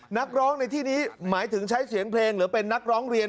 นักร้องในที่นี้หมายถึงใช้เสียงเพลงหรือเป็นนักร้องเรียน